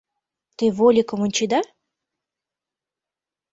Те вольыкым ончеда?